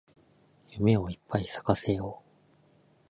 夢をいっぱい咲かせよう